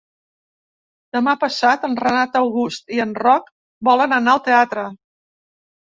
Demà passat en Renat August i en Roc volen anar al teatre.